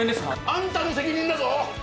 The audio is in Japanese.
あんたの責任だぞ！